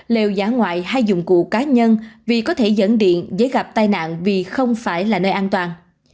lều giả ngoại hay dụng cụ cá nhân vì có thể dẫn điện dễ gặp tai nạn vì không phải là nơi an toàn